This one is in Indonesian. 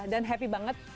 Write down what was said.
dan happy banget